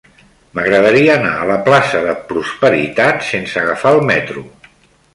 M'agradaria anar a la plaça de Prosperitat sense agafar el metro.